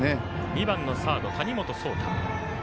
２番のサード、谷本颯太。